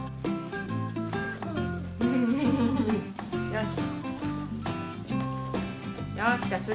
よし。